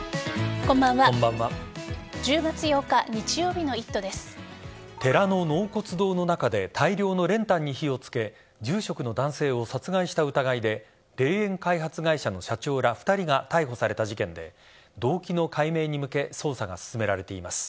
こんばんは１０月８日日曜日の寺の納骨堂の中で大量の練炭に火をつけ住職の男性を殺害した疑いで霊園開発会社の社長ら２人が逮捕された事件で動機の解明に向け捜査が進められています。